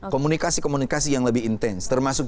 komunikasi komunikasi yang lebih intens termasuk